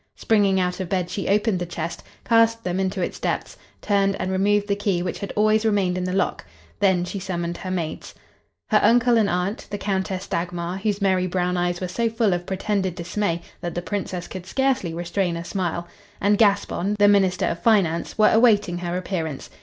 Springing out of bed, she opened the chest, cast them into its depths, turned and removed the key which had always remained in the lock. Then she summoned her maids. Her uncle and aunt, the Countess Dagmar (whose merry brown eyes were so full of pretended dismay that the Princess could scarcely restrain a smile), and Gaspon, the minister of finance, were awaiting her appearance.